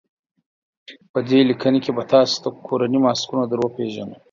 په دې لیکنه کې به تاسو ته کورني ماسکونه در وپېژنو.